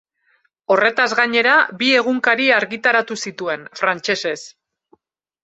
Horretaz gainera, bi egunkari argitaratu zituen, frantsesez.